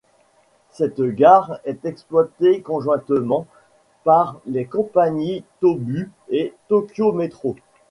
Cette gare est exploitée conjointement par les compagnies Tōbu et Tokyo Metro.